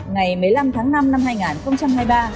ngày một mươi năm tháng năm năm hai nghìn hai mươi ba